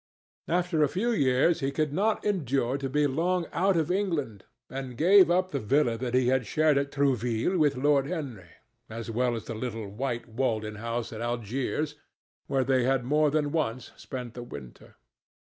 After a few years he could not endure to be long out of England, and gave up the villa that he had shared at Trouville with Lord Henry, as well as the little white walled in house at Algiers where they had more than once spent the winter.